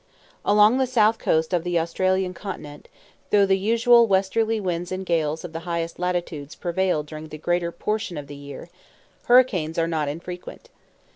Along the south coast of the Australian continent, though the usual westerly winds and gales of the highest latitudes prevail during the greater portion of the year, hurricanes are not infrequent.